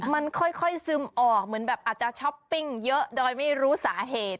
มันค่อยซึมออกเหมือนแบบอาจจะช้อปปิ้งเยอะโดยไม่รู้สาเหตุ